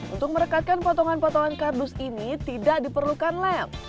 untuk merekatkan potongan potongan kardus ini tidak diperlukan lem